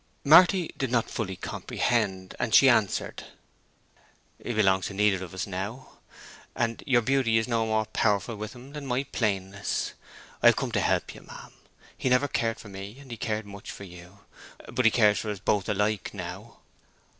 Marty did not fully comprehend; and she answered, "He belongs to neither of us now, and your beauty is no more powerful with him than my plainness. I have come to help you, ma'am. He never cared for me, and he cared much for you; but he cares for us both alike now."